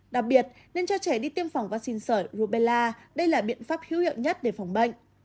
đặc biệt nên cho trẻ đi tiêm phòng vắc xin sở rubella đây là biện pháp hữu hiệu nhất để phòng bệnh